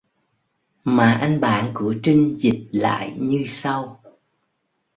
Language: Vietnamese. Mà anh bạn của trinh dịch lại như sau